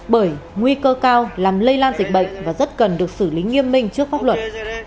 bởi nguy cơ cao làm lây lan dịch bệnh và rất cần được xử lý nghiêm minh trước pháp luật